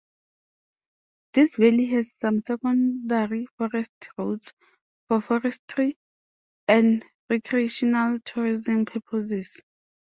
This valley has some secondary forest roads for forestry and recreational tourism purposes.